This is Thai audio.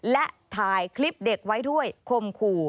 และถ่ายคลิปเด็กไว้ด้วยคมขู่